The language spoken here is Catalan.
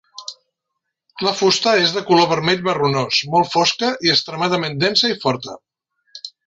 La fusta és de color vermell marronós molt fosca i extremadament densa i forta.